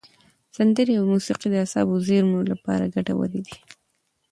سندرې او موسیقي د اعصابو زېرمو لپاره ګټورې دي.